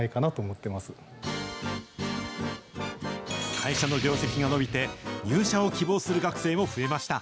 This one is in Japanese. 会社の業績が伸びて、入社を希望する学生も増えました。